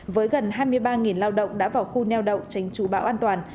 với gần hai mươi ba lao động đã vào khu neo đậu tránh trú bão an toàn